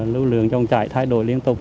lực lượng trong cháy thay đổi liên tục